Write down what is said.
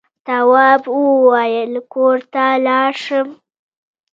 تواب وويل: کور ته لاړ شم.